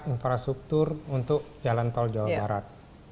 infrastruktur untuk jalan tol jawa barat